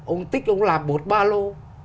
ông tích ông làm một ba lô